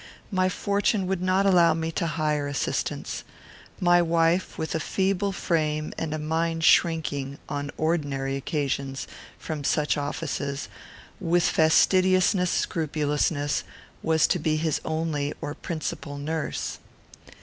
My fortune would not allow me to hire assistance. My wife, with a feeble frame and a mind shrinking, on ordinary occasions, from such offices, with fastidious scrupulousness, was to be his only or principal nurse.